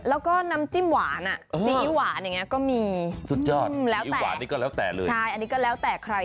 แล้วก็น้ำจิ้มหวานอ่ะซีอิ๊วหวานอย่างนี้ก็มีสุดยอดจิ้มแล้วแต่หวานนี่ก็แล้วแต่เลยใช่อันนี้ก็แล้วแต่ใคร